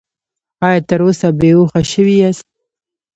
ایا تر اوسه بې هوښه شوي یاست؟